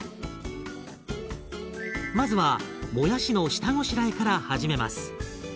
まずはもやしの下ごしらえから始めます。